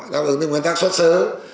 đáp ứng được nguyên tắc xuất xứ